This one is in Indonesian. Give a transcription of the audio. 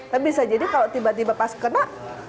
tapi bisa jadi kalau tiba tiba pas kena